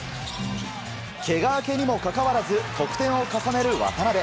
けが明けにもかかわらず、得点を重ねる渡邊。